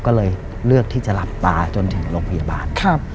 ก็เลยเลือกที่จะหลับตาจนถึงโรงพยาบาล